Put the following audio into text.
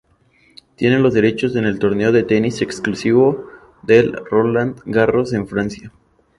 Tiene los derechos en el torneo de tenis exclusivo del Roland Garros en Francia.